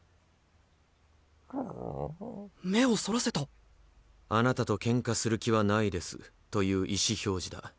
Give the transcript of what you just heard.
目をそらせた「あなたとケンカする気はないです」という意思表示だ。